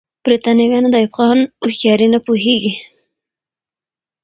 برتانويان د ایوب خان هوښیاري نه پوهېږي.